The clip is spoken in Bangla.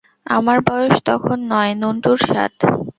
আমার বয়স তখন নয়, নুন্টুর সাত।